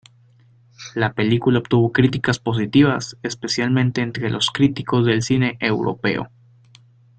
La película obtuvo críticas positivas, especialmente entre los críticos del cine europeo.